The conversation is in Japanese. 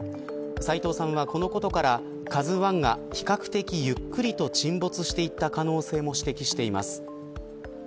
斎藤さんは、このことからＫＡＺＵ１が比較的ゆっくりと沈没していった可能性も指摘しています。